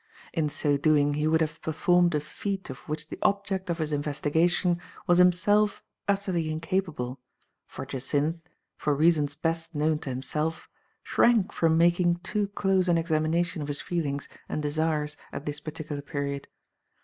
In so doing he would have performed a feat of which the object of his investigation was him self utterly incapable, for Jacynth, for reasons best known to himself, shrank from making too close an examination of his feelings and desires at this particular period.